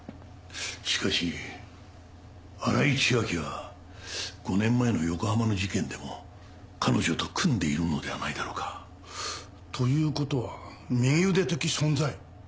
しかし新井千晶は５年前の横浜の事件でも彼女と組んでいるのではないだろうか？という事は右腕的存在？